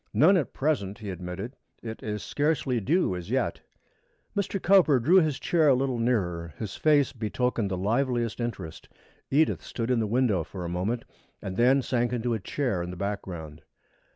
"None at present," he admitted. "It is scarcely due as yet." Mr. Cowper drew his chair a little nearer. His face betokened the liveliest interest. Edith stood in the window for a moment and then sank into a chair in the background.